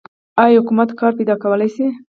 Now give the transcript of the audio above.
آیا حکومت کار پیدا کولی شي؟